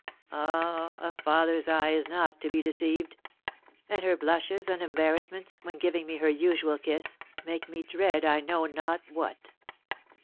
Ah, a father's eye is not to be deceived; and her blushes and embarrassments, when giving me her usual kiss, make me dread I know not what.